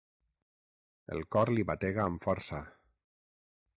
El cor li batega amb força.